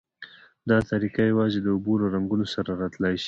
دا طریقه یوازې د اوبو له رنګونو سره را تلای شي.